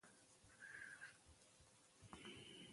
ژورې سرچینې د افغانستان د طبیعي زیرمو برخه ده.